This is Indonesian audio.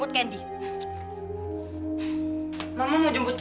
memang satu ajaran pemenuh tohru